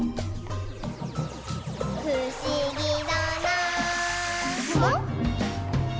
「ふしぎだなぁ」